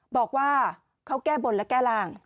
บอกว่าเขาแก้บนและแก้ร่าง